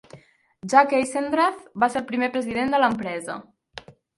Jack Eisendrath va ser el primer president de l'empresa.